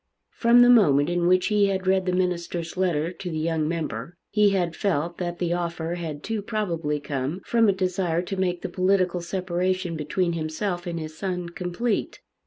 From the moment in which he had read the minister's letter to the young member, he had felt that the offer had too probably come from a desire to make the political separation between himself and his son complete.